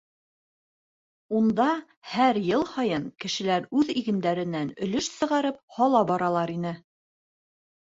Унда һәр йыл һайын кешеләр үҙ игендәренән өлөш сығарып һала баралар ине.